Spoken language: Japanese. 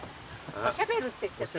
「おしゃべる」って言っちゃった。